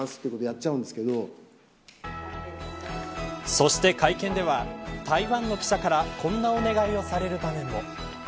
そして会見では台湾の記者からこんなお願いをされる場面も。